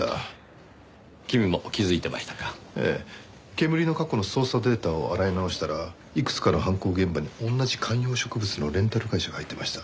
けむりの過去の捜査データを洗い直したらいくつかの犯行現場に同じ観葉植物のレンタル会社が入っていました。